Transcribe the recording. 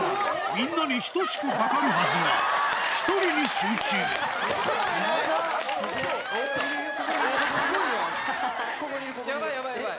・みんなに等しくかかるはずが１人に集中すごいやん！